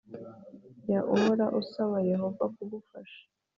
Jya uhora usaba Yehova kugufasha